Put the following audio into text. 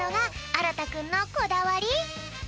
あらたくんのこだわり。